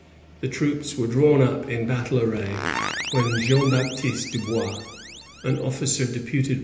The troops were drawn up in battle arraj, when Jean Baptists du Bois, an oflELcer deputed by 1666.